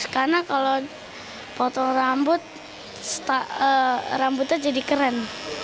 karena kalau potong rambut rambutnya jadi keren